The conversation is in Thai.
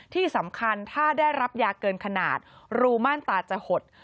ที่สำคัญถ้าได้รับยาเกินขนาดรูม่านตาจะหด